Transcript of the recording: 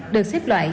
được xếp loại